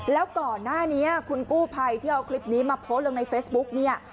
แล้วก่อนหน้านี้คุณกู้ภัยที่เอาคลิปนี้มาโพสต์ลงในเฟซบุ๊กเนี่ย